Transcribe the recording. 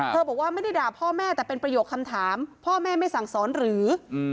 บอกว่าไม่ได้ด่าพ่อแม่แต่เป็นประโยคคำถามพ่อแม่ไม่สั่งสอนหรือ